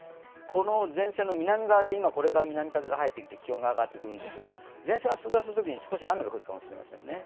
この前線の南側でこれから南風が入ってきて気温が上がってくるんですが、前線が通過するときに少し雨が降るかもしれませんね。